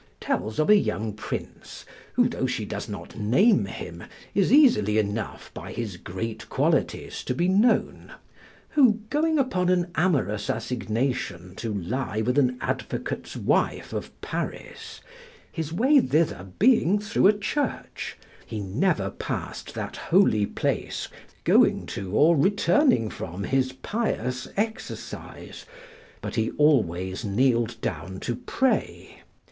] tells of a young prince, who, though she does not name him, is easily enough by his great qualities to be known, who going upon an amorous assignation to lie with an advocate's wife of Paris, his way thither being through a church, he never passed that holy place going to or returning from his pious exercise, but he always kneeled down to pray.